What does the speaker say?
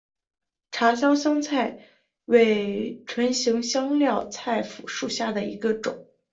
苍山香茶菜为唇形科香茶菜属下的一个种。